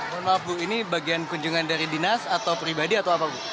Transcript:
mohon maaf bu ini bagian kunjungan dari dinas atau pribadi atau apa bu